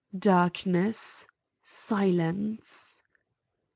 Darkness! silence!